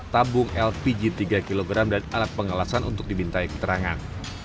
tabung lpg tiga kg dan alat pengelasan untuk dimintai keterangan